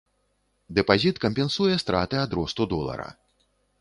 Дэпазіт кампенсуе страты ад росту долара.